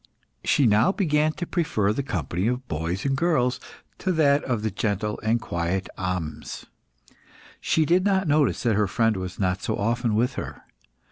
She now began to prefer the company of boys and girls to that of the gentle and quiet Ahmes. She did not notice that her friend was not so often with her.